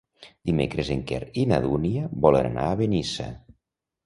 Dimecres en Quer i na Dúnia volen anar a Benissa.